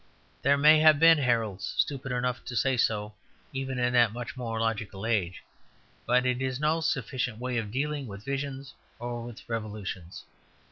There may have been heralds stupid enough to say so even in that much more logical age, but it is no sufficient way of dealing with visions or with revolutions.